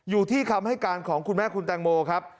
อยู่ที่คำให้การของคุณแม่คุณแตงโมครับ